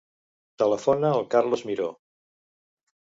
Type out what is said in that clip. Telefona al Carlos Miro.